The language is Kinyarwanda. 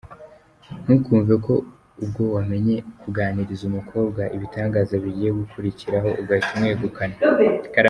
Ntukumve ko ubwo wamenye kuganiriza umukobwa ibitangaza bigiye gukurikiraho ugahita umwegukana.